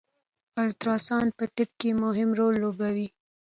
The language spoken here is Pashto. الټراساونډ په طب کی مهم رول لوبوي